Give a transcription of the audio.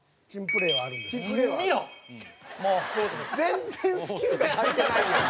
全然スキルが足りてないやん。